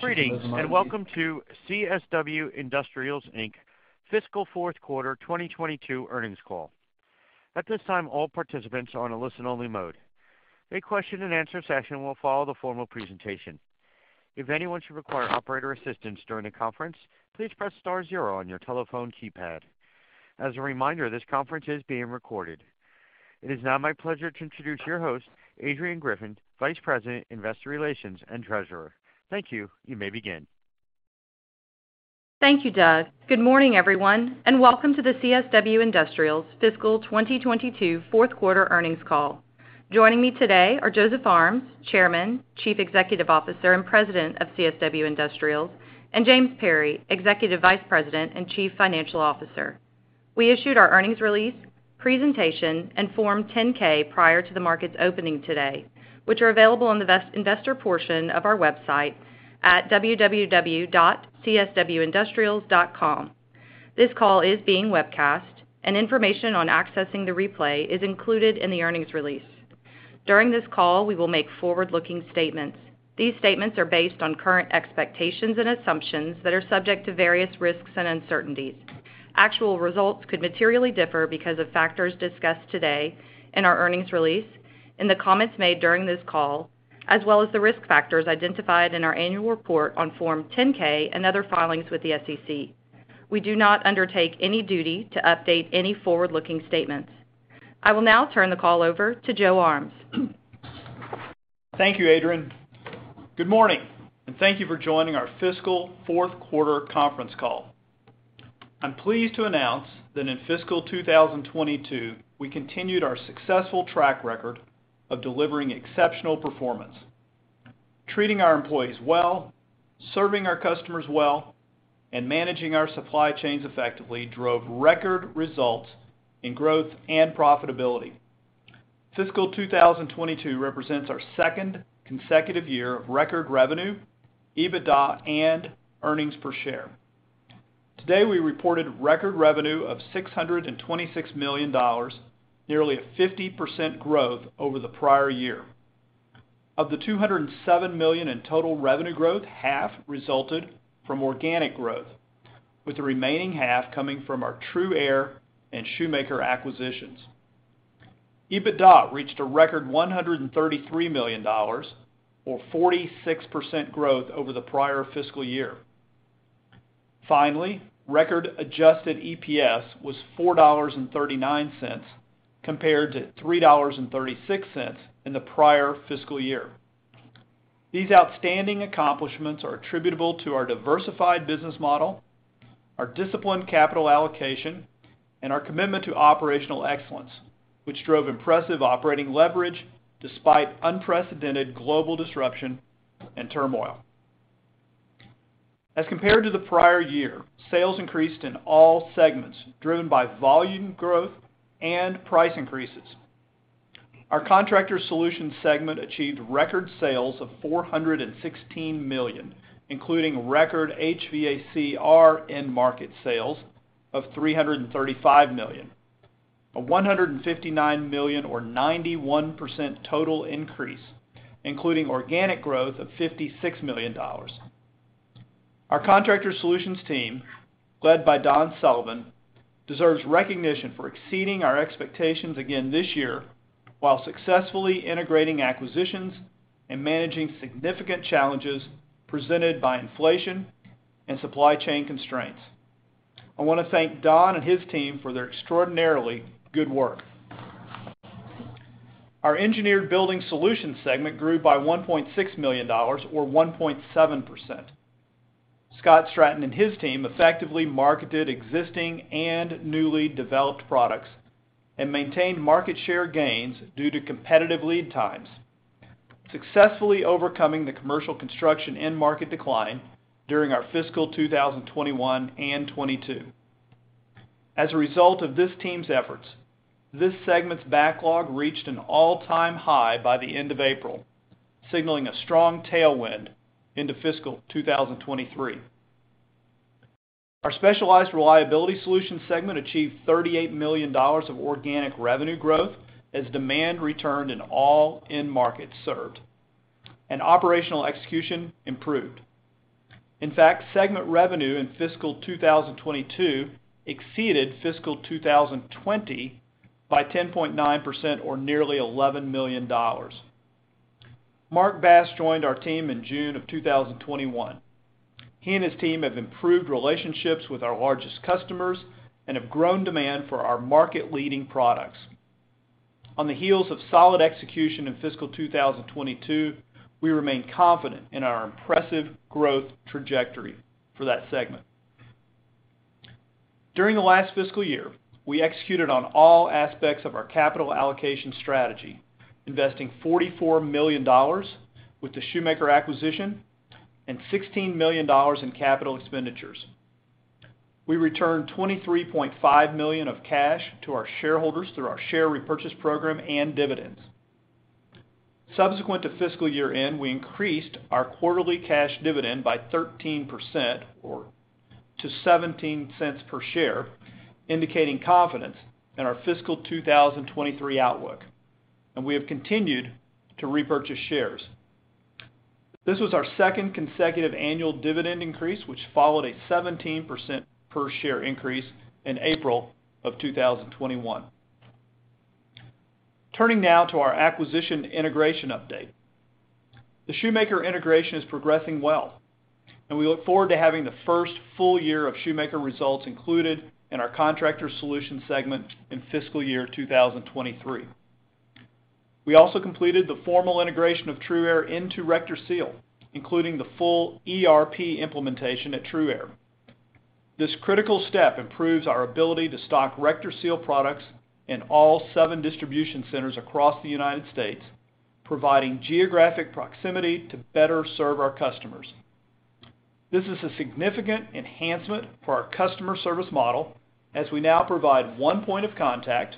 Greetings, and welcome to CSW Industrials, Inc. Fiscal Fourth Quarter 2022 Earnings Call. At this time, all participants are on a listen-only mode. A question-and-answer session will follow the formal presentation. If anyone should require operator assistance during the conference, please press star zero on your telephone keypad. As a reminder, this conference is being recorded. It is now my pleasure to introduce your host, Adrianne Griffin, Vice President, Investor Relations and Treasurer. Thank you. You may begin. Thank you, Doug. Good morning, everyone, and welcome to the CSW Industrials fiscal 2022 fourth quarter earnings call. Joining me today are Joseph Armes, Chairman, Chief Executive Officer, and President of CSW Industrials, and James Perry, Executive Vice President and Chief Financial Officer. We issued our earnings release, presentation, and Form 10-K prior to the market's opening today, which are available on the investor portion of our website at www.cswindustrials.com. This call is being webcast, and information on accessing the replay is included in the earnings release. During this call, we will make forward-looking statements. These statements are based on current expectations and assumptions that are subject to various risks and uncertainties. Actual results could materially differ because of factors discussed today in our earnings release, in the comments made during this call, as well as the risk factors identified in our annual report on Form 10-K and other filings with the SEC. We do not undertake any duty to update any forward-looking statements. I will now turn the call over to Joe Armes. Thank you, Adrianne. Good morning, and thank you for joining our fiscal fourth quarter conference call. I'm pleased to announce that in fiscal 2022, we continued our successful track record of delivering exceptional performance. Treating our employees well, serving our customers well, and managing our supply chains effectively drove record results in growth and profitability. Fiscal 2022 represents our second consecutive year of record revenue, EBITDA, and earnings per share. Today, we reported record revenue of $626 million, nearly 50% growth over the prior year. Of the $207 million in total revenue growth, half resulted from organic growth, with the remaining half coming from our TRUaire and Shoemaker acquisitions. EBITDA reached a record $133 million or 46% growth over the prior fiscal year. Finally, record adjusted EPS was $4.39 compared to $3.36 in the prior fiscal year. These outstanding accomplishments are attributable to our diversified business model, our disciplined capital allocation, and our commitment to operational excellence, which drove impressive operating leverage despite unprecedented global disruption and turmoil. As compared to the prior year, sales increased in all segments, driven by volume growth and price increases. Our Contractor Solutions segment achieved record sales of $416 million, including record HVACR end market sales of $335 million, a $159 million or 91% total increase, including organic growth of $56 million. Our Contractor Solutions team, led by Don Sullivan, deserves recognition for exceeding our expectations again this year while successfully integrating acquisitions and managing significant challenges presented by inflation and supply chain constraints. I wanna thank Don and his team for their extraordinarily good work. Our Engineered Building Solutions segment grew by $1.6 million or 1.7%. Scott Stratton and his team effectively marketed existing and newly developed products and maintained market share gains due to competitive lead times, successfully overcoming the commercial construction end market decline during our fiscal 2021 and 2022. As a result of this team's efforts, this segment's backlog reached an all-time high by the end of April, signaling a strong tailwind into fiscal 2023. Our Specialized Reliability Solutions segment achieved $38 million of organic revenue growth as demand returned in all end markets served, and operational execution improved. In fact, segment revenue in fiscal 2022 exceeded fiscal 2020 by 10.9% or nearly $11 million. Mark Bass joined our team in June of 2021. He and his team have improved relationships with our largest customers and have grown demand for our market-leading products. On the heels of solid execution in fiscal 2022, we remain confident in our impressive growth trajectory for that segment. During the last fiscal year, we executed on all aspects of our capital allocation strategy, investing $44 million with the Shoemaker acquisition and $16 million in capital expenditures. We returned $23.5 million of cash to our shareholders through our share repurchase program and dividends. Subsequent to fiscal year-end, we increased our quarterly cash dividend by 13% to $0.17 per share, indicating confidence in our fiscal 2023 outlook. We have continued to repurchase shares. This was our second consecutive annual dividend increase, which followed a 17% per share increase in April 2021. Turning now to our acquisition integration update. The Shoemaker integration is progressing well, and we look forward to having the first full year of Shoemaker results included in our Contractor Solutions segment in fiscal year 2023. We also completed the formal integration of TRUaire into RectorSeal, including the full ERP implementation at TRUaire. This critical step improves our ability to stock RectorSeal products in all seven distribution centers across the United States, providing geographic proximity to better serve our customers. This is a significant enhancement for our customer service model as we now provide one point of contact,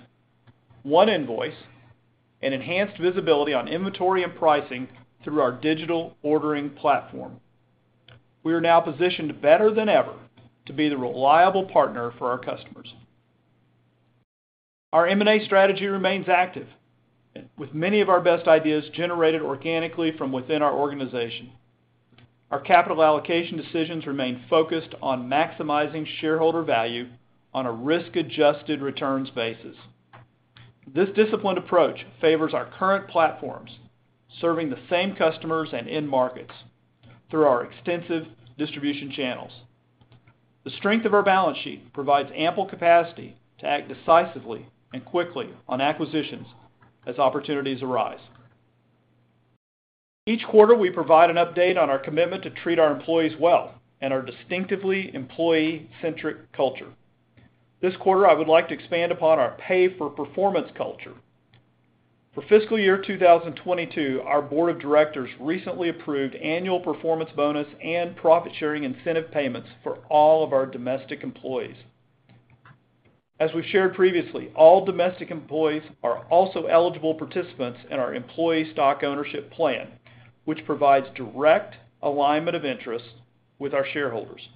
one invoice, and enhanced visibility on inventory and pricing through our digital ordering platform. We are now positioned better than ever to be the reliable partner for our customers. Our M&A strategy remains active, with many of our best ideas generated organically from within our organization. Our capital allocation decisions remain focused on maximizing shareholder value on a risk-adjusted returns basis. This disciplined approach favors our current platforms, serving the same customers and end markets through our extensive distribution channels. The strength of our balance sheet provides ample capacity to act decisively and quickly on acquisitions as opportunities arise. Each quarter, we provide an update on our commitment to treat our employees well and our distinctively employee-centric culture. This quarter, I would like to expand upon our pay-for-performance culture. For fiscal year 2022, our board of directors recently approved annual performance bonus and profit-sharing incentive payments for all of our domestic employees. As we've shared previously, all domestic employees are also eligible participants in our employee stock ownership plan, which provides direct alignment of interests with our shareholders.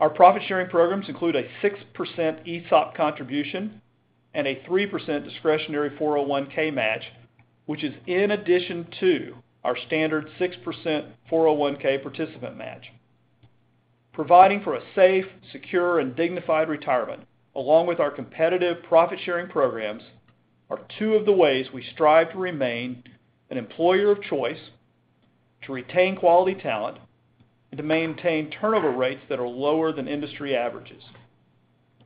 Our profit-sharing programs include a 6% ESOP contribution and a 3% discretionary 401(k) match, which is in addition to our standard 6% 401(k) participant match. Providing for a safe, secure, and dignified retirement, along with our competitive profit-sharing programs, are two of the ways we strive to remain an employer of choice to retain quality talent and to maintain turnover rates that are lower than industry averages.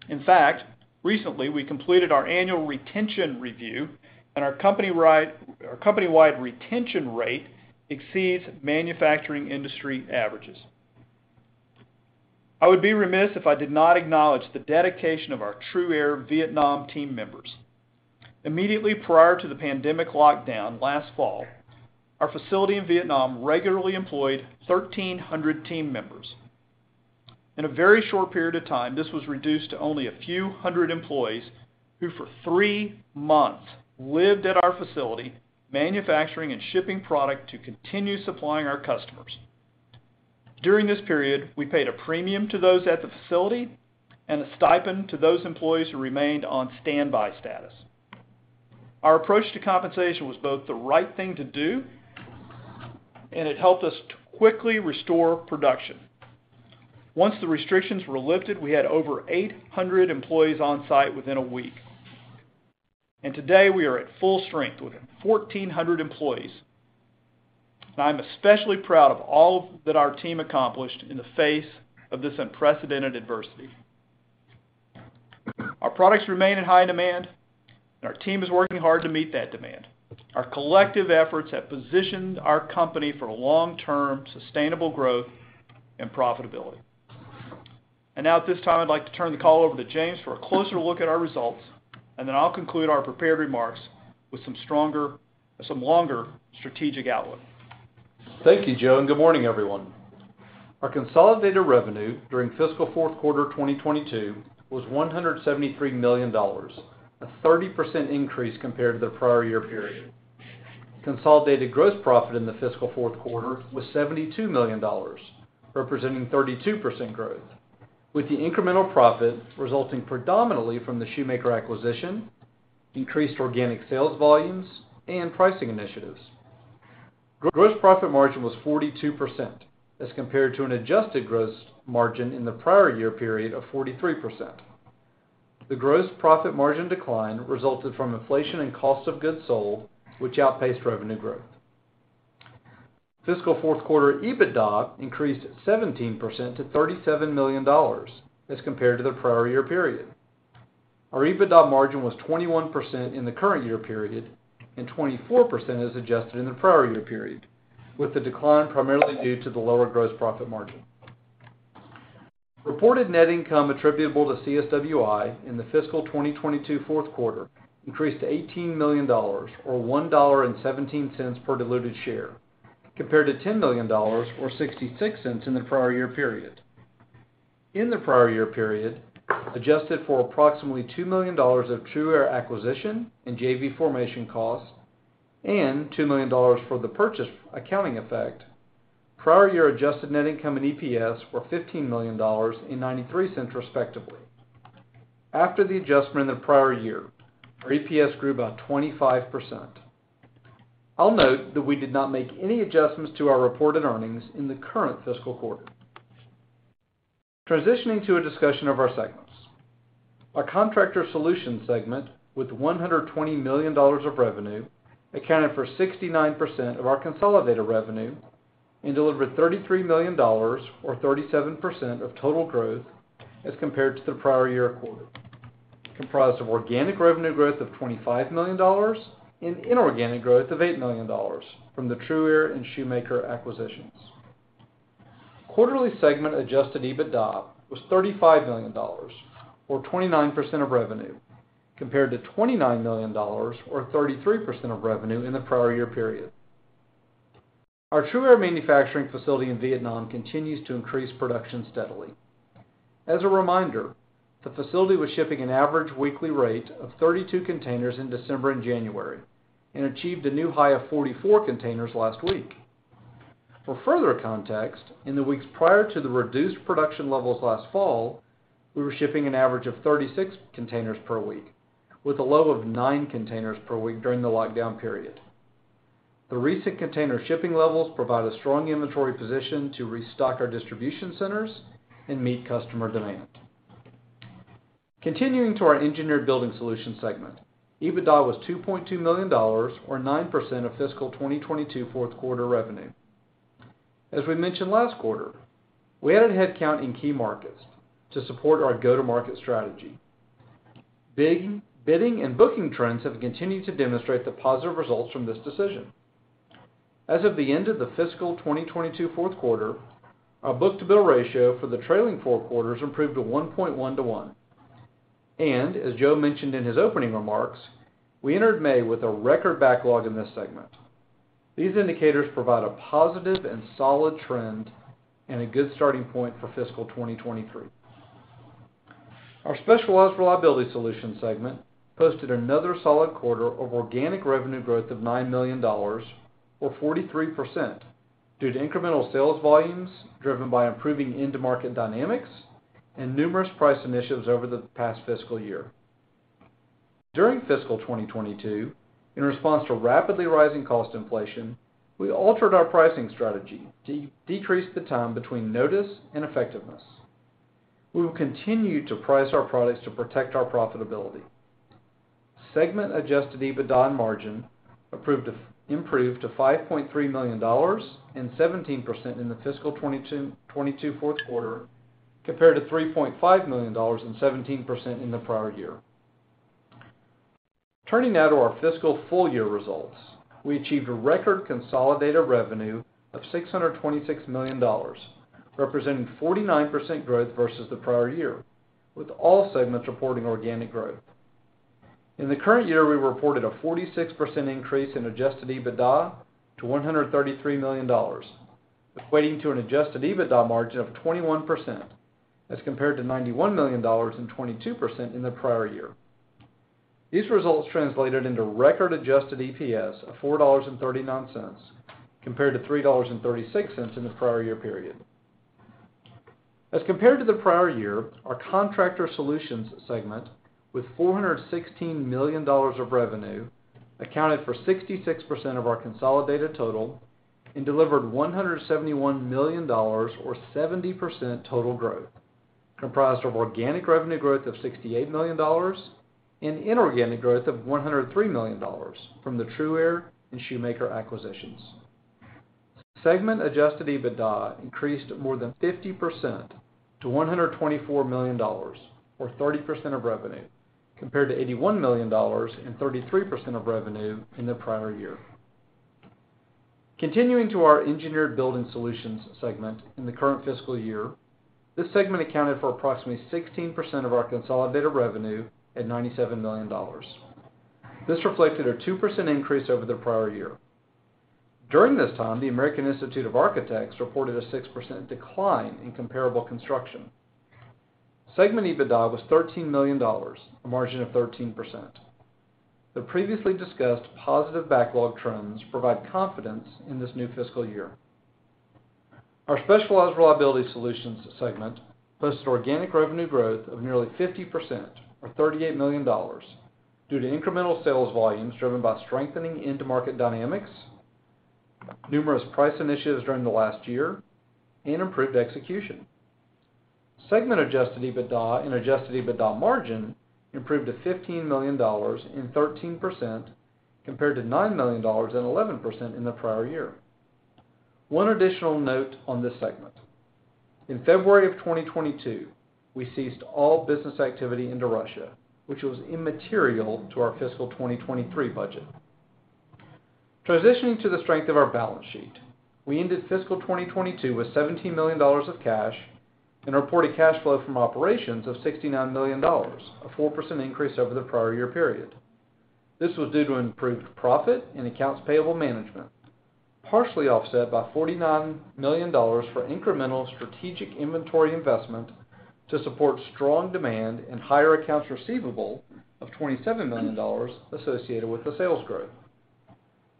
In fact, recently, we completed our annual retention review and our company-wide retention rate exceeds manufacturing industry averages. I would be remiss if I did not acknowledge the dedication of our TRUaire Vietnam team members. Immediately prior to the pandemic lockdown last fall, our facility in Vietnam regularly employed 1,300 team members. In a very short period of time, this was reduced to only a few hundred employees who, for three months, lived at our facility, manufacturing and shipping product to continue supplying our customers. During this period, we paid a premium to those at the facility and a stipend to those employees who remained on standby status. Our approach to compensation was both the right thing to do, and it helped us to quickly restore production. Once the restrictions were lifted, we had over 800 employees on-site within a week. Today, we are at full strength with 1,400 employees. I'm especially proud of all that our team accomplished in the face of this unprecedented adversity. Our products remain in high demand, and our team is working hard to meet that demand. Our collective efforts have positioned our company for long-term sustainable growth and profitability. Now, at this time, I'd like to turn the call over to James for a closer look at our results, and then I'll conclude our prepared remarks with some longer strategic outlook. Thank you, Joe, and good morning, everyone. Our consolidated revenue during fiscal fourth quarter 2022 was $173 million, a 30% increase compared to the prior year period. Consolidated gross profit in the fiscal fourth quarter was $72 million, representing 32% growth, with the incremental profit resulting predominantly from the Shoemaker acquisition, increased organic sales volumes, and pricing initiatives. Gross profit margin was 42% as compared to an adjusted gross margin in the prior year period of 43%. The gross profit margin decline resulted from inflation and cost of goods sold, which outpaced revenue growth. Fiscal fourth quarter EBITDA increased 17% to $37 million as compared to the prior year period. Our EBITDA margin was 21% in the current year period and 24% as adjusted in the prior year period, with the decline primarily due to the lower gross profit margin. Reported net income attributable to CSWI in the fiscal 2022 fourth quarter increased to $18 million or $1.17 per diluted share, compared to $10 million or $0.66 in the prior year period. In the prior year period, adjusted for approximately $2 million of TRUaire acquisition and JV formation costs and $2 million for the purchase accounting effect. Prior year adjusted net income and EPS were $15 million and $0.93, respectively. After the adjustment in the prior year, our EPS grew by 25%. I'll note that we did not make any adjustments to our reported earnings in the current fiscal quarter. Transitioning to a discussion of our segments. Our Contractor Solutions segment with $120 million of revenue accounted for 69% of our consolidated revenue and delivered $33 million or 37% of total growth as compared to the prior year quarter, comprised of organic revenue growth of $25 million and inorganic growth of $8 million from the TRUaire and Shoemaker acquisitions. Quarterly segment adjusted EBITDA was $35 million or 29% of revenue, compared to $29 million or 33% of revenue in the prior year period. Our TRUaire manufacturing facility in Vietnam continues to increase production steadily. As a reminder, the facility was shipping an average weekly rate of 32 containers in December and January and achieved a new high of 44 containers last week. For further context, in the weeks prior to the reduced production levels last fall, we were shipping an average of 36 containers per week, with a low of nine containers per week during the lockdown period. The recent container shipping levels provide a strong inventory position to restock our distribution centers and meet customer demand. Continuing to our Engineered Building Solutions segment, EBITDA was $2.2 million or 9% of fiscal 2022 fourth quarter revenue. As we mentioned last quarter, we added headcount in key markets to support our go-to-market strategy. Bidding and booking trends have continued to demonstrate the positive results from this decision. As of the end of the fiscal 2022 fourth quarter, our book-to-bill ratio for the trailing four quarters improved to 1.1:1. As Joe mentioned in his opening remarks, we entered May with a record backlog in this segment. These indicators provide a positive and solid trend and a good starting point for fiscal 2023. Our Specialized Reliability Solutions segment posted another solid quarter of organic revenue growth of $9 million or 43% due to incremental sales volumes driven by improving end-to-market dynamics and numerous price initiatives over the past fiscal year. During fiscal 2022, in response to rapidly rising cost inflation, we altered our pricing strategy to decrease the time between notice and effectiveness. We will continue to price our products to protect our profitability. Segment adjusted EBITDA margin improved to $5.3 million and 17% in the fiscal 2022 fourth quarter compared to $3.5 million and 17% in the prior year. Turning now to our fiscal full-year results. We achieved a record consolidated revenue of $626 million, representing 49% growth versus the prior year, with all segments reporting organic growth. In the current year, we reported a 46% increase in adjusted EBITDA to $133 million, equating to an adjusted EBITDA margin of 21% as compared to $91 million and 22% in the prior year period. These results translated into record adjusted EPS of $4.39 compared to $3.36 in the prior year period. As compared to the prior year, our Contractor Solutions segment, with $416 million of revenue, accounted for 66% of our consolidated total and delivered $171 million or 70% total growth, comprised of organic revenue growth of $68 million and inorganic growth of $103 million from the TRUaire and Shoemaker acquisitions. Segment adjusted EBITDA increased more than 50% to $124 million or 30% of revenue, compared to $81 million and 33% of revenue in the prior year. Continuing to our Engineered Building Solutions segment in the current fiscal year, this segment accounted for approximately 16% of our consolidated revenue at $97 million. This reflected a 2% increase over the prior year. During this time, the American Institute of Architects reported a 6% decline in comparable construction. Segment EBITDA was $13 million, a margin of 13%. The previously discussed positive backlog trends provide confidence in this new fiscal year. Our Specialized Reliability Solutions segment posted organic revenue growth of nearly 50% or $38 million due to incremental sales volumes driven by strengthening end-to-market dynamics, numerous price initiatives during the last year, and improved execution. Segment adjusted EBITDA and adjusted EBITDA margin improved to $15 million and 13% compared to $9 million and 11% in the prior year. One additional note on this segment. In February of 2022, we ceased all business activity into Russia, which was immaterial to our fiscal 2023 budget. Transitioning to the strength of our balance sheet, we ended fiscal 2022 with $17 million of cash and reported cash flow from operations of $69 million, a 4% increase over the prior year period. This was due to improved profit and accounts payable management, partially offset by $49 million for incremental strategic inventory investment to support strong demand and higher accounts receivable of $27 million associated with the sales growth.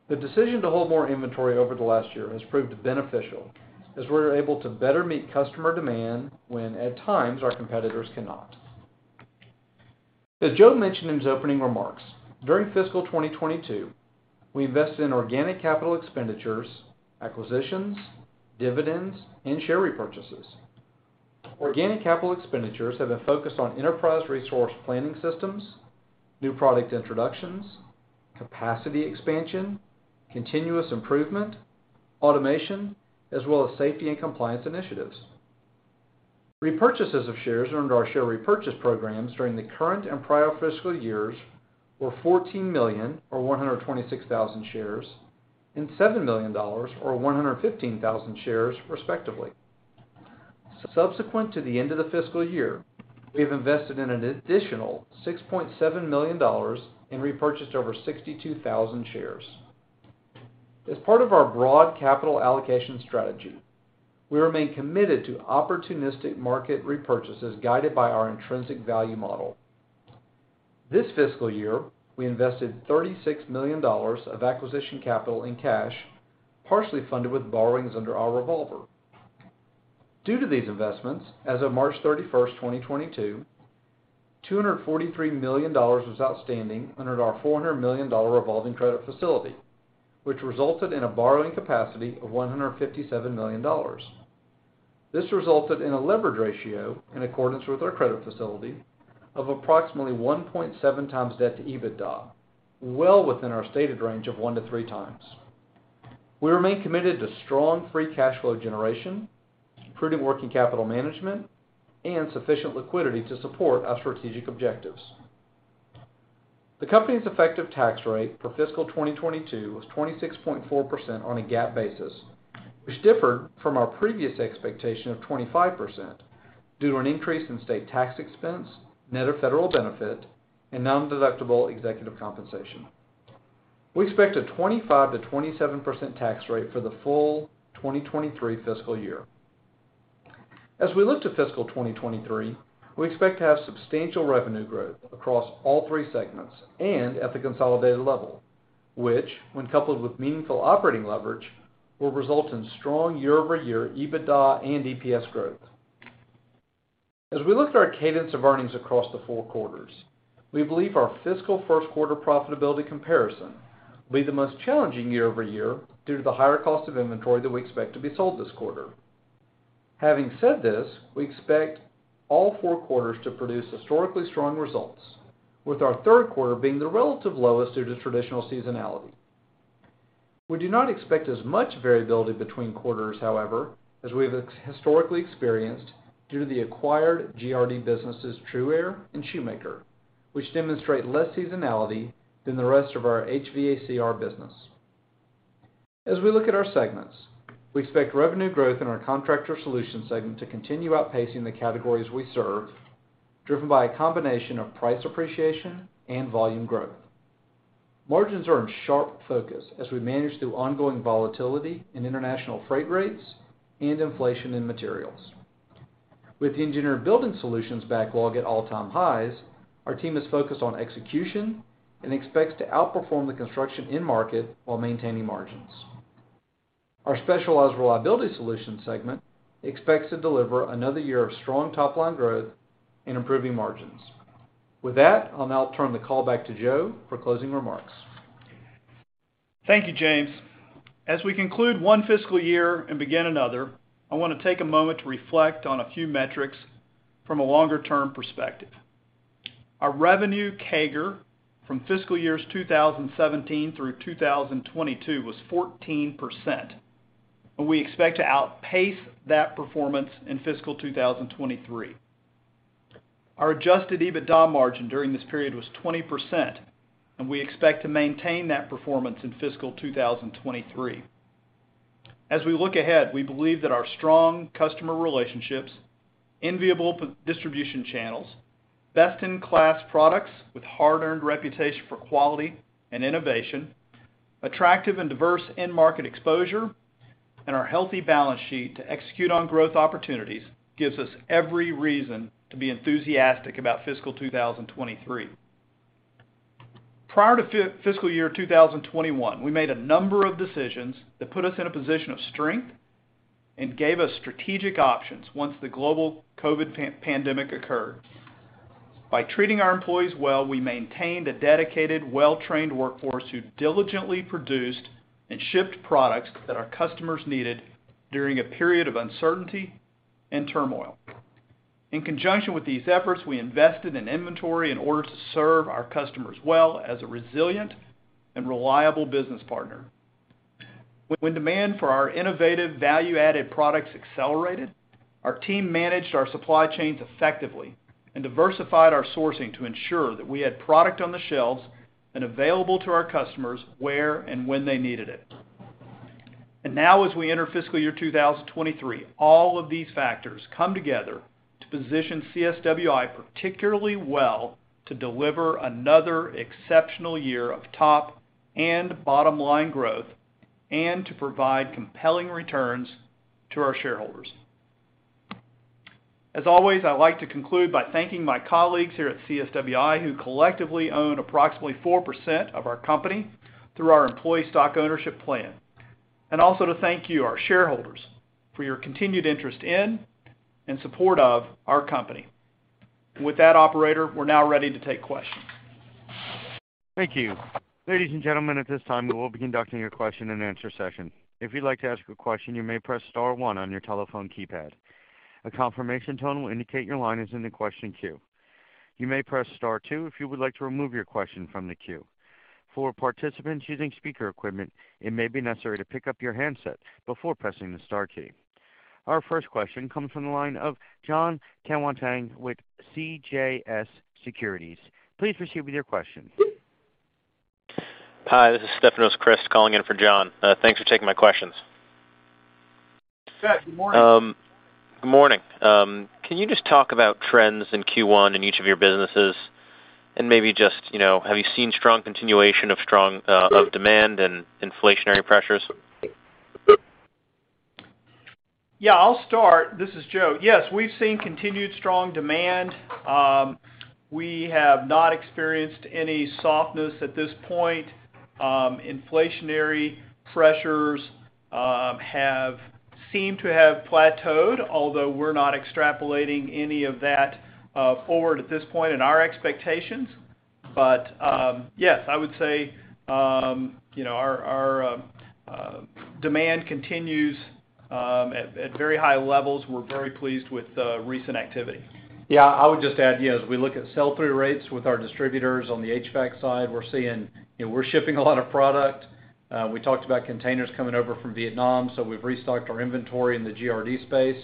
The decision to hold more inventory over the last year has proved beneficial as we're able to better meet customer demand when at times our competitors cannot. As Joe mentioned in his opening remarks, during fiscal 2022, we invested in organic capital expenditures, acquisitions, dividends, and share repurchases. Organic capital expenditures have been focused on enterprise resource planning systems, new product introductions, capacity expansion, continuous improvement, automation, as well as safety and compliance initiatives. Repurchases of shares under our share repurchase programs during the current and prior fiscal years were $14 million, or 126,000 shares, and $7 million, or 115,000 shares, respectively. Subsequent to the end of the fiscal year, we have invested in an additional $6.7 million and repurchased over 62,000 shares. As part of our broad capital allocation strategy, we remain committed to opportunistic market repurchases guided by our intrinsic value model. This fiscal year, we invested $36 million of acquisition capital in cash, partially funded with borrowings under our revolver. Due to these investments, as of March 31st, 2022, $243 million was outstanding under our $400 million revolving credit facility, which resulted in a borrowing capacity of $157 million. This resulted in a leverage ratio in accordance with our credit facility of approximately 1.7x debt to EBITDA, well within our stated range of 1x-3x. We remain committed to strong free cash flow generation, prudent working capital management, and sufficient liquidity to support our strategic objectives. The company's effective tax rate for fiscal 2022 was 26.4% on a GAAP basis, which differed from our previous expectation of 25% due to an increase in state tax expense, net of federal benefit, and nondeductible executive compensation. We expect a 25%-27% tax rate for the full 2023 fiscal year. We look to fiscal 2023, we expect to have substantial revenue growth across all three segments and at the consolidated level, which when coupled with meaningful operating leverage, will result in strong year-over-year EBITDA and EPS growth. As we look at our cadence of earnings across the four quarters, we believe our fiscal first quarter profitability comparison will be the most challenging year-over-year due to the higher cost of inventory that we expect to be sold this quarter. Having said this, we expect all four quarters to produce historically strong results, with our third quarter being the relative lowest due to traditional seasonality. We do not expect as much variability between quarters, however, as we have historically experienced due to the acquired GRD businesses TRUaire and Shoemaker, which demonstrate less seasonality than the rest of our HVACR business. As we look at our segments, we expect revenue growth in our Contractor Solutions segment to continue outpacing the categories we serve, driven by a combination of price appreciation and volume growth. Margins are in sharp focus as we manage through ongoing volatility in international freight rates and inflation in materials. With Engineered Building Solutions backlog at all-time highs, our team is focused on execution and expects to outperform the construction end market while maintaining margins. Our Specialized Reliability Solutions segment expects to deliver another year of strong top-line growth and improving margins. With that, I'll now turn the call back to Joe for closing remarks. Thank you, James. As we conclude one fiscal year and begin another, I want to take a moment to reflect on a few metrics from a longer term perspective. Our revenue CAGR from fiscal years 2017 through 2022 was 14%, and we expect to outpace that performance in fiscal 2023. Our adjusted EBITDA margin during this period was 20%, and we expect to maintain that performance in fiscal 2023. As we look ahead, we believe that our strong customer relationships, enviable distribution channels, best-in-class products with hard-earned reputation for quality and innovation, attractive and diverse end market exposure, and our healthy balance sheet to execute on growth opportunities gives us every reason to be enthusiastic about fiscal 2023. Prior to fiscal year 2021, we made a number of decisions that put us in a position of strength and gave us strategic options once the global COVID pandemic occurred. By treating our employees well, we maintained a dedicated, well-trained workforce who diligently produced and shipped products that our customers needed during a period of uncertainty and turmoil. In conjunction with these efforts, we invested in inventory in order to serve our customers well as a resilient and reliable business partner. When demand for our innovative value-added products accelerated, our team managed our supply chains effectively and diversified our sourcing to ensure that we had product on the shelves and available to our customers where and when they needed it. Now, as we enter fiscal year 2023, all of these factors come together to position CSWI particularly well to deliver another exceptional year of top and bottom-line growth and to provide compelling returns to our shareholders. As always, I like to conclude by thanking my colleagues here at CSWI, who collectively own approximately 4% of our company through our Employee Stock Ownership Plan. Also to thank you, our shareholders, for your continued interest in and support of our company. With that, operator, we're now ready to take questions. Thank you. Ladies and gentlemen, at this time, we will be conducting a question-and-answer session. If you'd like to ask a question, you may press star one on your telephone keypad. A confirmation tone will indicate your line is in the question queue. You may press star two if you would like to remove your question from the queue. For participants using speaker equipment, it may be necessary to pick up your handset before pressing the star key. Our first question comes from the line of Jon Tanwanteng with CJS Securities. Please proceed with your question. Hi, this is Stefanos Crist calling in for Jon. Thanks for taking my questions. Good morning. Good morning. Can you just talk about trends in Q1 in each of your businesses and maybe just, you know, have you seen strong continuation of demand and inflationary pressures? Yeah, I'll start. This is Joe. Yes, we've seen continued strong demand. We have not experienced any softness at this point. Inflationary pressures have seemed to have plateaued, although we're not extrapolating any of that forward at this point in our expectations. Yes, I would say you know, our demand continues at very high levels. We're very pleased with the recent activity. Yeah. I would just add, you know, as we look at sell-through rates with our distributors on the HVAC side, we're seeing, you know, we're shipping a lot of product. We talked about containers coming over from Vietnam, so we've restocked our inventory in the GRD space.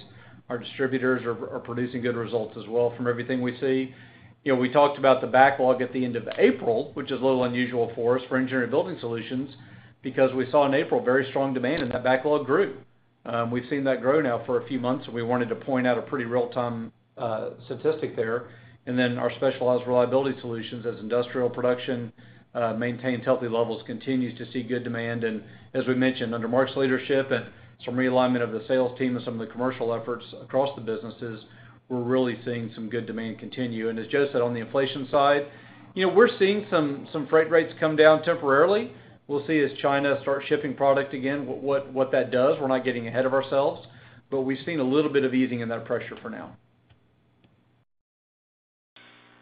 Our distributors are producing good results as well from everything we see. You know, we talked about the backlog at the end of April, which is a little unusual for us for Engineered Building Solutions because we saw in April very strong demand, and that backlog grew. We've seen that grow now for a few months, and we wanted to point out a pretty real-time statistic there. Our Specialized Reliability Solutions as industrial production maintains healthy levels, continues to see good demand. As we mentioned, under Mark's leadership and some realignment of the sales team and some of the commercial efforts across the businesses, we're really seeing some good demand continue. As Joe said, on the inflation side, you know, we're seeing some freight rates come down temporarily. We'll see as China starts shipping product again, what that does. We're not getting ahead of ourselves, but we've seen a little bit of easing in that pressure for now.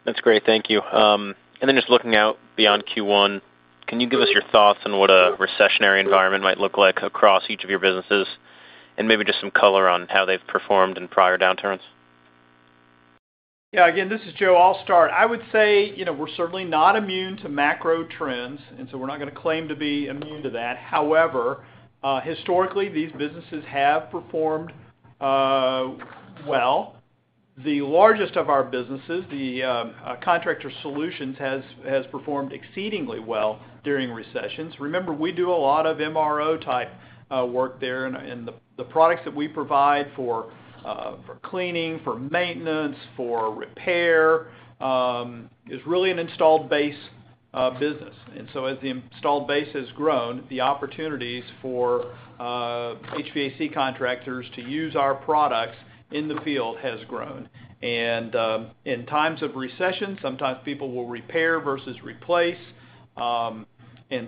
That's great. Thank you. Just looking out beyond Q1, can you give us your thoughts on what a recessionary environment might look like across each of your businesses? Maybe just some color on how they've performed in prior downturns. Yeah. Again, this is Joe. I'll start. I would say, you know, we're certainly not immune to macro trends, and so we're not gonna claim to be immune to that. However, historically, these businesses have performed well. The largest of our businesses, the Contractor Solutions, has performed exceedingly well during recessions. Remember, we do a lot of MRO-type work there, and the products that we provide for cleaning, for maintenance, for repair is really an installed base business. As the installed base has grown, the opportunities for HVAC contractors to use our products in the field has grown. In times of recession, sometimes people will repair versus replace, and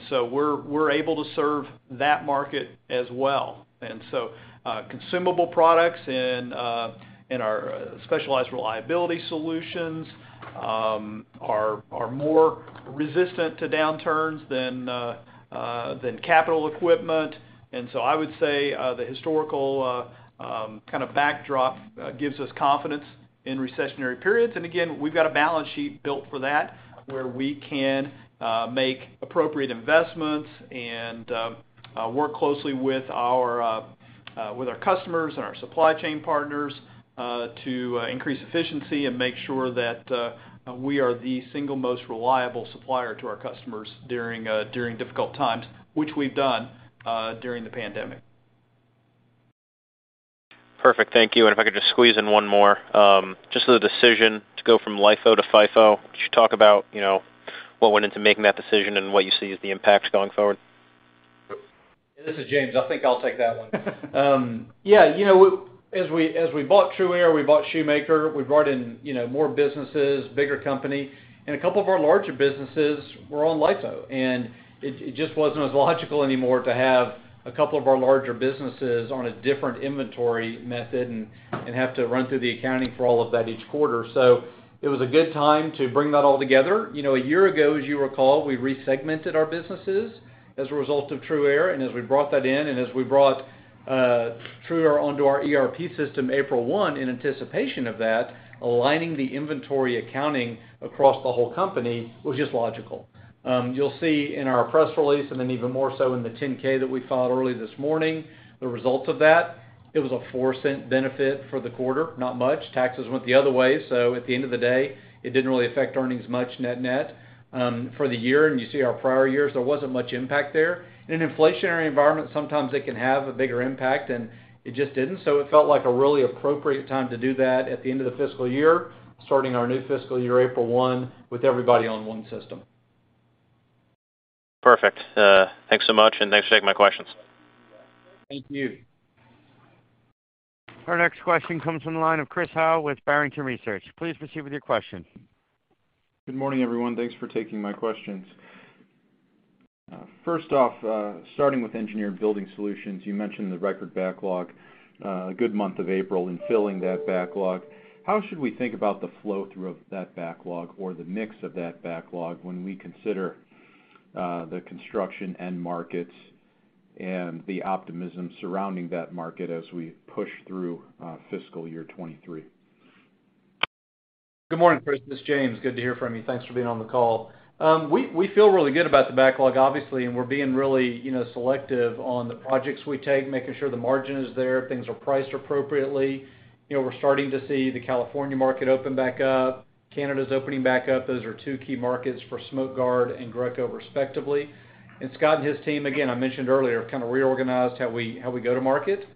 so we're able to serve that market as well. Consumable products and in our Specialized Reliability Solutions are more resistant to downturns than capital equipment. I would say the historical kind of backdrop gives us confidence in recessionary periods. We've got a balance sheet built for that, where we can make appropriate investments and work closely with our customers and our supply chain partners to increase efficiency and make sure that we are the single most reliable supplier to our customers during difficult times, which we've done during the pandemic. Perfect. Thank you. If I could just squeeze in one more. Just the decision to go from LIFO to FIFO. Could you talk about, you know, what went into making that decision and what you see as the impacts going forward? This is James. I think I'll take that one. Yeah. You know, as we bought TRUaire, we bought Shoemaker, we brought in, you know, more businesses, bigger company, and a couple of our larger businesses were on LIFO. It just wasn't as logical anymore to have a couple of our larger businesses on a different inventory method and have to run through the accounting for all of that each quarter. It was a good time to bring that all together. You know, a year ago, as you recall, we resegmented our businesses as a result of TRUaire. As we brought that in and as we brought TRUaire onto our ERP system April 1 in anticipation of that, aligning the inventory accounting across the whole company was just logical. You'll see in our press release, and then even more so in the Form 10-K that we filed early this morning, the results of that. It was a $0.04 benefit for the quarter, not much. Taxes went the other way, so at the end of the day, it didn't really affect earnings much net-net. For the year, and you see our prior years, there wasn't much impact there. In an inflationary environment, sometimes it can have a bigger impact, and it just didn't. It felt like a really appropriate time to do that at the end of the fiscal year, starting our new fiscal year, April 1, with everybody on one system. Perfect. Thanks so much, and thanks for taking my questions. Thank you. Our next question comes from the line of Chris Howe with Barrington Research. Please proceed with your question. Good morning, everyone. Thanks for taking my questions. First off, starting with Engineered Building Solutions, you mentioned the record backlog, a good month of April in filling that backlog. How should we think about the flow through of that backlog or the mix of that backlog when we consider the construction end markets and the optimism surrounding that market as we push through fiscal year 2023? Good morning, Chris. This is James. Good to hear from you. Thanks for being on the call. We feel really good about the backlog, obviously, and we're being really, you know, selective on the projects we take, making sure the margin is there, things are priced appropriately. You know, we're starting to see the California market open back up. Canada is opening back up. Those are two key markets for Smoke Guard and Greco, respectively. Scott and his team, again, I mentioned earlier, kind of reorganized how we go to market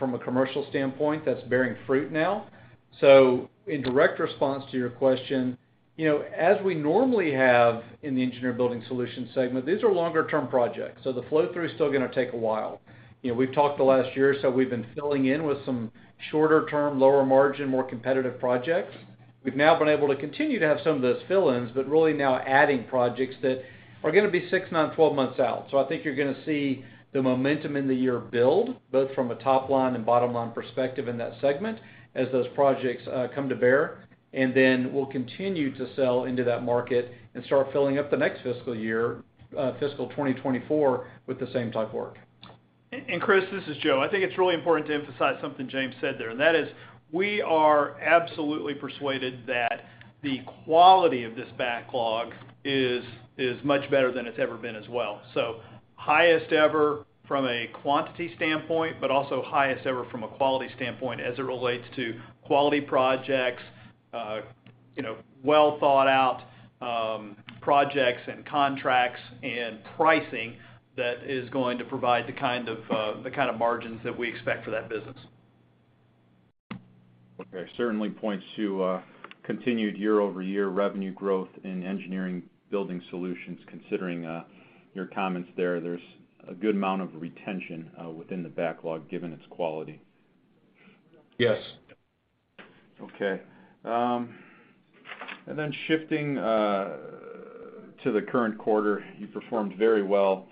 from a commercial standpoint. That's bearing fruit now. In direct response to your question, you know, as we normally have in the Engineered Building Solutions segment, these are longer-term projects, so the flow-through is still gonna take a while. You know, we've talked the last year or so, we've been filling in with some shorter term, lower margin, more competitive projects. We've now been able to continue to have some of those fill-ins, but really now adding projects that are gonna be six, nine, 12 months out. I think you're gonna see the momentum in the year build, both from a top line and bottom-line perspective in that segment as those projects come to bear. We'll continue to sell into that market and start filling up the next fiscal year, fiscal 2024, with the same type work. Chris, this is Joe. I think it's really important to emphasize something James said there, and that is we are absolutely persuaded that the quality of this backlog is much better than it's ever been as well. Highest ever from a quantity standpoint, but also highest ever from a quality standpoint as it relates to quality projects, you know, well thought out projects and contracts and pricing that is going to provide the kind of margins that we expect for that business. Okay. Certainly points to continued year-over-year revenue growth in Engineered Building Solutions, considering your comments there. There's a good amount of retention within the backlog given its quality. Yes. Okay. Shifting to the current quarter, you performed very well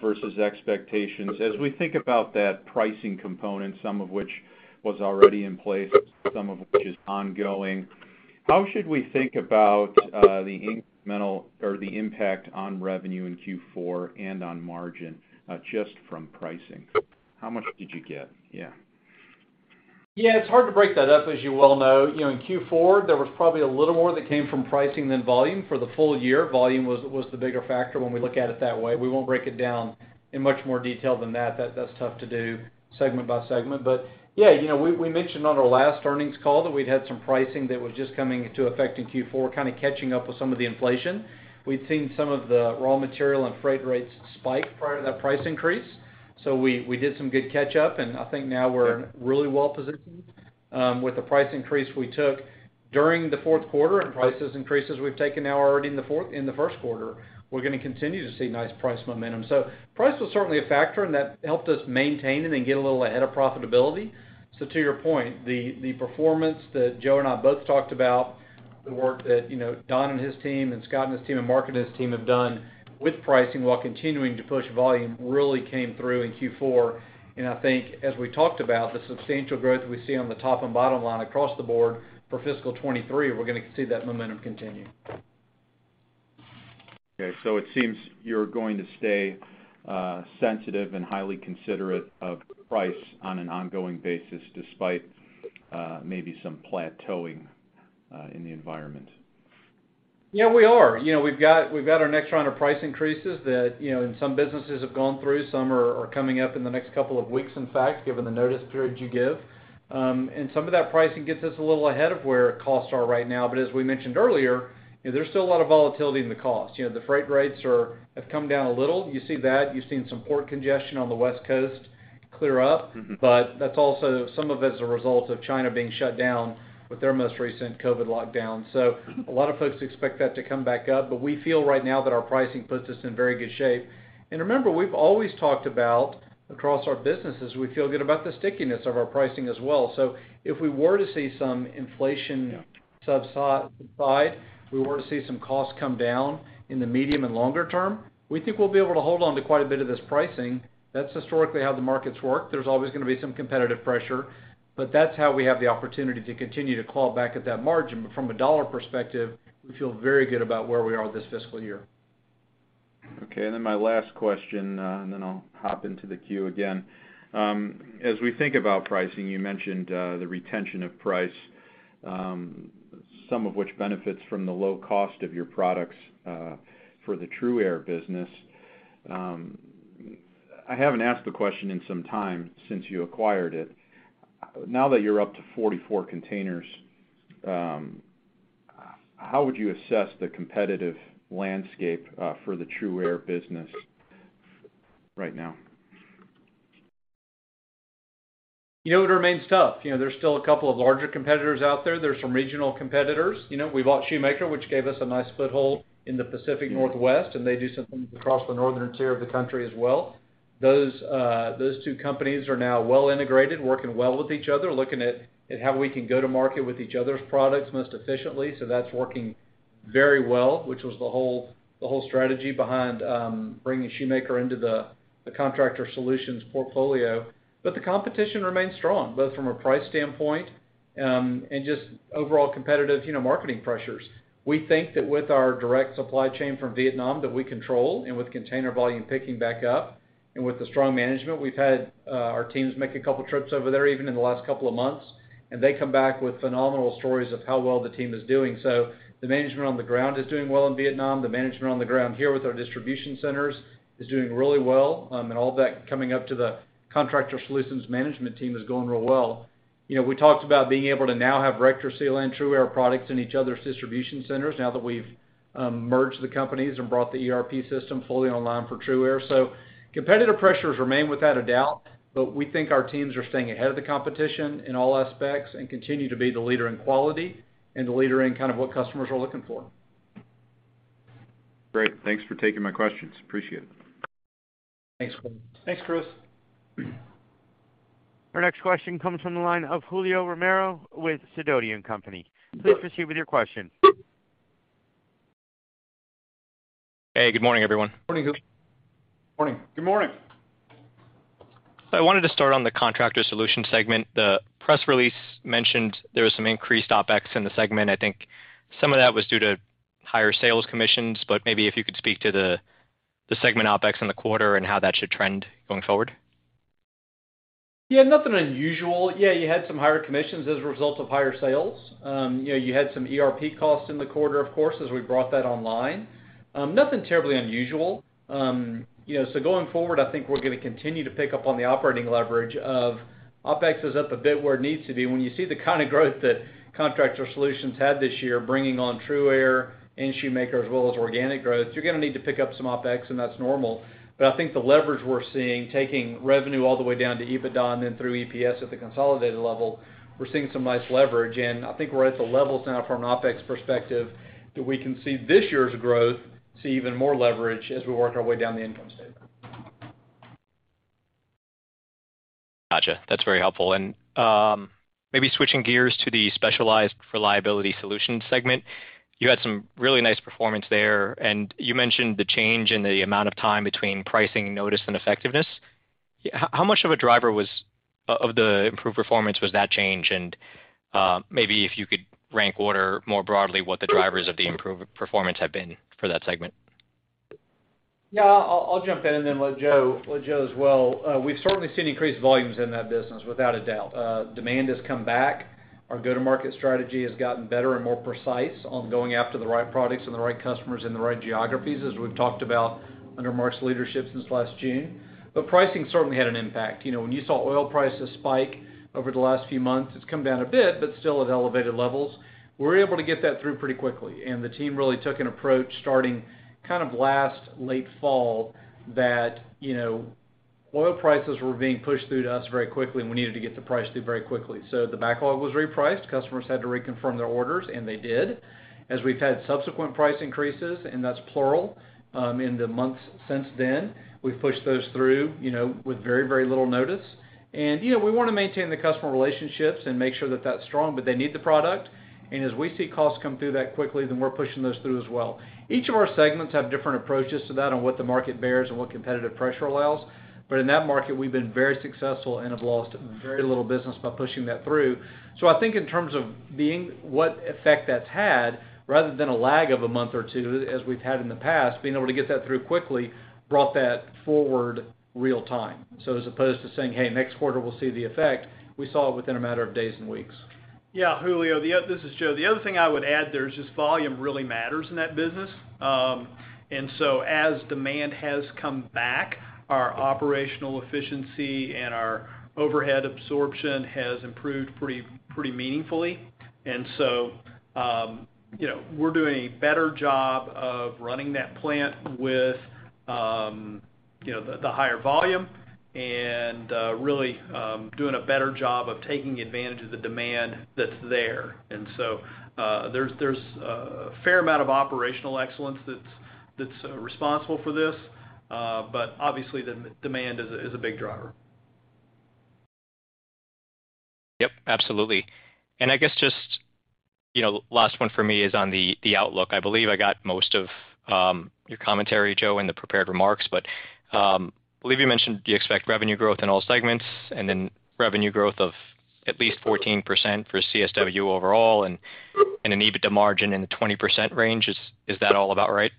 versus expectations. As we think about that pricing component, some of which was already in place, some of which is ongoing, how should we think about the incremental or the impact on revenue in Q4 and on margin just from pricing? How much did you get? Yeah. Yeah. It's hard to break that up, as you well know. You know, in Q4, there was probably a little more that came from pricing than volume. For the full year, volume was the bigger factor when we look at it that way. We won't break it down in much more detail than that. That's tough to do segment by segment. Yeah, you know, we mentioned on our last earnings call that we'd had some pricing that was just coming into effect in Q4, kind of catching up with some of the inflation. We'd seen some of the raw material and freight rates spike prior to that price increase, so we did some good catch up, and I think now we're really well positioned, with the price increase we took during the fourth quarter and price increases we've taken now already in the first quarter. We're gonna continue to see nice price momentum. Price was certainly a factor, and that helped us maintain and then get a little ahead of profitability. To your point, the performance that Joe and I both talked about, the work that, you know, Don and his team and Scott and his team and Mark and his team have done with pricing while continuing to push volume really came through in Q4. I think as we talked about, the substantial growth we see on the top and bottom line across the board for fiscal 2023, we're gonna see that momentum continue. Okay. It seems you're going to stay sensitive and highly considerate of price on an ongoing basis despite maybe some plateauing in the environment. Yeah, we are. You know, we've got our next round of price increases that, you know, and some businesses have gone through. Some are coming up in the next couple of weeks, in fact, given the notice periods you give. Some of that pricing gets us a little ahead of where costs are right now. As we mentioned earlier, you know, there's still a lot of volatility in the cost. You know, the freight rates have come down a little. You see that. You've seen some port congestion on the West Coast clear up. Mm-hmm. That's also, some of it's a result of China being shut down with their most recent COVID lockdown. A lot of folks expect that to come back up, but we feel right now that our pricing puts us in very good shape. Remember, we've always talked about across our businesses, we feel good about the stickiness of our pricing as well. If we were to see some inflation. Yeah If we were to see some costs come down in the medium and longer term, we think we'll be able to hold on to quite a bit of this pricing. That's historically how the markets work. There's always gonna be some competitive pressure, but that's how we have the opportunity to continue to claw back at that margin. From a dollar perspective, we feel very good about where we are this fiscal year. Okay. My last question, and then I'll hop into the queue again. As we think about pricing, you mentioned the retention of price, some of which benefits from the low cost of your products for the TRUaire business. I haven't asked the question in some time since you acquired it. Now that you're up to 44 containers, how would you assess the competitive landscape for the TRUaire business right now? You know, it remains tough. You know, there's still a couple of larger competitors out there. There's some regional competitors. You know, we bought Shoemaker, which gave us a nice foothold in the Pacific Northwest, and they do something across the northern tier of the country as well. Those two companies are now well-integrated, working well with each other, looking at how we can go to market with each other's products most efficiently. So that's working very well, which was the whole strategy behind bringing Shoemaker into the Contractor Solutions portfolio. But the competition remains strong, both from a price standpoint, and just overall competitive, you know, marketing pressures. We think that with our direct supply chain from Vietnam that we control and with container volume picking back up and with the strong management we've had, our teams make a couple trips over there, even in the last couple of months, and they come back with phenomenal stories of how well the team is doing. The management on the ground is doing well in Vietnam. The management on the ground here with our distribution centers is doing really well. All that coming up to the Contractor Solutions management team is going really well. You know, we talked about being able to now have RectorSeal and TRUaire products in each other's distribution centers now that we've merged the companies and brought the ERP system fully online for TRUaire. Competitive pressures remain without a doubt, but we think our teams are staying ahead of the competition in all aspects and continue to be the leader in quality and the leader in kind of what customers are looking for. Great. Thanks for taking my questions. Appreciate it. Thanks. Thanks, Chris. Our next question comes from the line of Julio Romero with Sidoti & Company. Please proceed with your question. Hey, good morning, everyone. Morning, Julio. Morning. Good morning. I wanted to start on the Contractor Solutions segment. The press release mentioned there was some increased OpEx in the segment. I think some of that was due to higher sales commissions, but maybe if you could speak to the segment OpEx in the quarter and how that should trend going forward. Yeah, nothing unusual. Yeah, you had some higher commissions as a result of higher sales. You know, you had some ERP costs in the quarter, of course, as we brought that online. Nothing terribly unusual. You know, going forward, I think we're gonna continue to pick up on the operating leverage of OpEx is up a bit where it needs to be. When you see the kind of growth that Contractor Solutions had this year, bringing on TRUaire and Shoemaker as well as organic growth, you're gonna need to pick up some OpEx, and that's normal. I think the leverage we're seeing, taking revenue all the way down to EBITDA and then through EPS at the consolidated level, we're seeing some nice leverage. I think we're at the levels now from an OpEx perspective, that we can see this year's growth see even more leverage as we work our way down the income statement. Gotcha. That's very helpful. Maybe switching gears to the Specialized Reliability Solutions segment, you had some really nice performance there, and you mentioned the change in the amount of time between pricing notice and effectiveness. How much of a driver was that change of the improved performance? Maybe if you could rank order more broadly what the drivers of the improved performance have been for that segment. No, I'll jump in and then let Joe as well. We've certainly seen increased volumes in that business, without a doubt. Demand has come back. Our go-to-market strategy has gotten better and more precise on going after the right products and the right customers in the right geographies, as we've talked about under Mark's leadership since last June. Pricing certainly had an impact. You know, when you saw oil prices spike over the last few months, it's come down a bit, but still at elevated levels. We're able to get that through pretty quickly. The team really took an approach starting kind of late last fall that, you know, oil prices were being pushed through to us very quickly, and we needed to get the price through very quickly. The backlog was repriced. Customers had to reconfirm their orders, and they did. As we've had subsequent price increases, and that's plural, in the months since then, we've pushed those through, you know, with very, very little notice. You know, we wanna maintain the customer relationships and make sure that that's strong, but they need the product. As we see costs come through that quickly, then we're pushing those through as well. Each of our segments have different approaches to that on what the market bears and what competitive pressure allows. In that market, we've been very successful and have lost very little business by pushing that through. I think in terms of being what effect that's had, rather than a lag of a month or two, as we've had in the past, being able to get that through quickly brought that forward real time. As opposed to saying, "Hey, next quarter we'll see the effect," we saw it within a matter of days and weeks. Yeah. Julio, this is Joe. The other thing I would add there is just volume really matters in that business. As demand has come back, our operational efficiency and our overhead absorption has improved pretty meaningfully. You know, we're doing a better job of running that plant with you know the higher volume and really doing a better job of taking advantage of the demand that's there. There's a fair amount of operational excellence that's responsible for this. Obviously, the demand is a big driver. Yep, absolutely. I guess just, you know, last one for me is on the outlook. I believe I got most of your commentary, Joe, in the prepared remarks. Believe you mentioned you expect revenue growth in all segments and then revenue growth of at least 14% for CSW overall and an EBITDA margin in the 20% range. Is that all about right?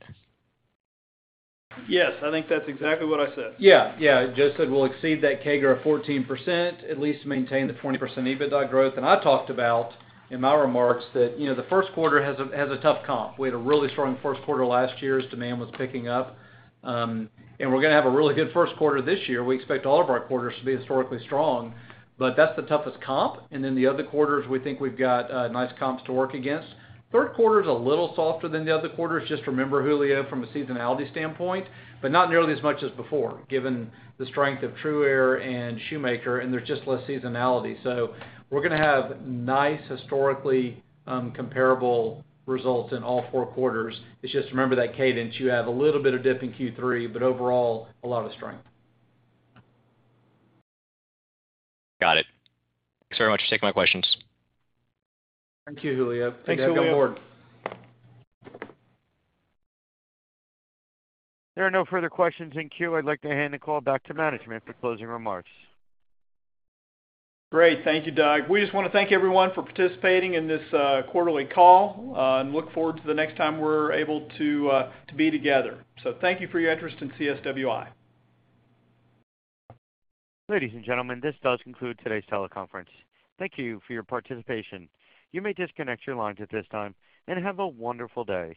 Yes. I think that's exactly what I said. Joe said we'll exceed that CAGR of 14%, at least maintain the 20% EBITDA growth. I talked about in my remarks that, you know, the first quarter has a tough comp. We had a really strong first quarter last year as demand was picking up. We're gonna have a really good first quarter this year. We expect all of our quarters to be historically strong, but that's the toughest comp. The other quarters, we think we've got a nice comps to work against. Third quarter is a little softer than the other quarters. Just remember, Julio, from a seasonality standpoint, but not nearly as much as before, given the strength of TRUaire and Shoemaker, and there's just less seasonality. We're gonna have nice, historically, comparable results in all four quarters. It's just remember that cadence. You have a little bit of dip in Q3, but overall, a lot of strength. Got it. Thanks very much for taking my questions. Thank you, Julio. Thanks, Julio. Have a good morning. There are no further questions in queue. I'd like to hand the call back to management for closing remarks. Great. Thank you, Doug. We just wanna thank everyone for participating in this quarterly call, and look forward to the next time we're able to be together. Thank you for your interest in CSWI. Ladies and gentlemen, this does conclude today's teleconference. Thank you for your participation. You may disconnect your lines at this time, and have a wonderful day.